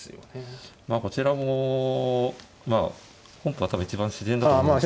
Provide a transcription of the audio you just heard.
まあこちらも本譜は多分一番自然だと思うんですけど。